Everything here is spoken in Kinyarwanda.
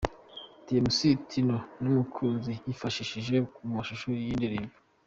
Mc Tino n'inkumi yifashishije mu mashusho y'iyi ndirimbo.